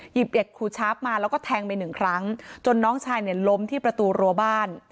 หยิบเหล็กคูช้าปมาแล้วก็แทงไปหนึ่งครั้งจนน้องชายล้มที่ประตูรัวบ้าน